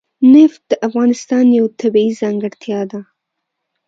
نفت د افغانستان یوه طبیعي ځانګړتیا ده.